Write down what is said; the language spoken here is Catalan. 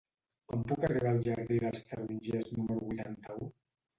Com puc arribar al jardí dels Tarongers número vuitanta-u?